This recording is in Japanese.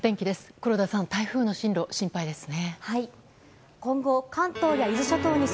黒田さん、台風の進路心配ですね。